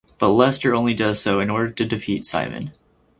But Lester only does so in order to defeat Simon.